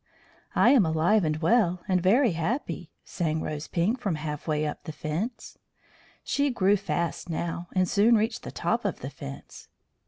"I am alive and well, and very happy," sang Rose Pink from half way up the fence. She grew fast now, and soon reached the top of the fence.